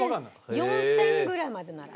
２０００４０００ぐらいまでなら。